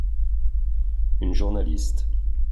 Une journaliste.